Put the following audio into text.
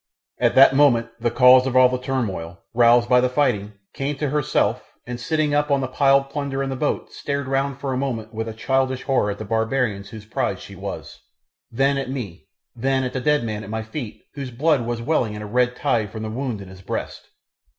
At that moment the cause of all the turmoil, roused by the fighting, came to herself, and sitting up on the piled plunder in the boat stared round for a moment with a childish horror at the barbarians whose prize she was, then at me, then at the dead man at my feet whose blood was welling in a red tide from the wound in his breast.